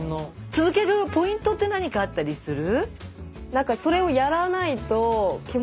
続けるポイントって何かあったりする？